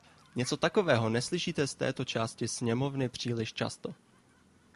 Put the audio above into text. Něco takového neslyšíte z této části sněmovny příliš často.